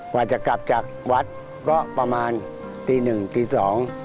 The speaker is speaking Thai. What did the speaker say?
กว่าจะกลับจากวัดก็ประมาณตีหนึ่งตีสอง